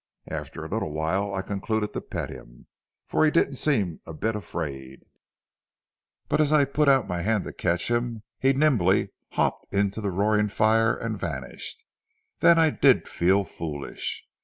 After a little while I concluded to pet him, for he didn't seem a bit afraid; but as I put out my hand to catch him, he nimbly hopped into the roaring fire and vanished. Then I did feel foolish.